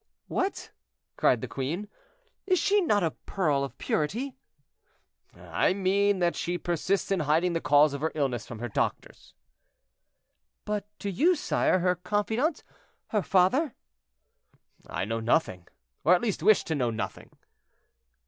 "What!" cried the queen; "is she not a pearl of purity?" "I mean that she persists in hiding the cause of her illness from the doctors." "But to you, sire, her confidant, her father." "I know nothing, or at least wish to know nothing."